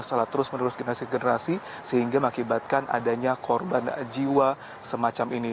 secara terus menerus generasi generasi sehingga mengakibatkan adanya korban jiwa semacam ini